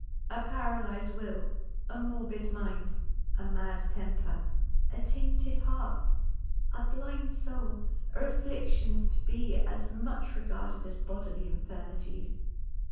A paralyzed will, a morbid mind, a mad temper, a tainted heart, a blind soul, are afflictions to be as much regarded as bodily infirmities.